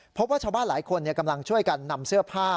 พบว่าชาวบ้านหลายคนกำลังช่วยกันนำเสื้อผ้า